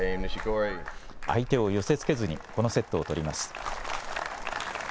相手を寄せつけずに、このセットを取ります。